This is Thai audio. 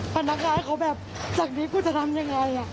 พนักงานเขาแบบจากนี้กูจะทำยังไง